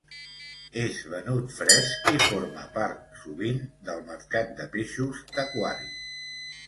És venut fresc i forma part, sovint, del mercat de peixos d'aquari.